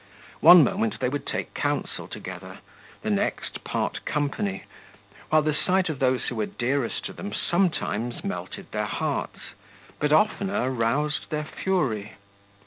One moment they would take counsel together, the next, part company, while the sight of those who were dearest to them sometimes melted their hearts, but oftener roused their fury.